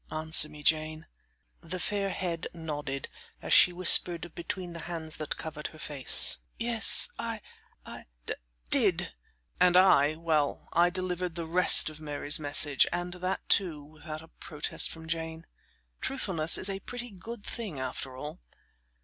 Answer me, Jane." The fair head nodded as she whispered between the hands that covered her face: "Yes; I I d did;" and I well, I delivered the rest of Mary's message, and that, too, without a protest from Jane. Truthfulness is a pretty good thing after all.